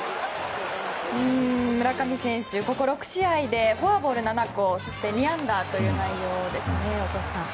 村上選手ここ６試合でフォアボール７個、そして２安打という内容ですね、大越さん。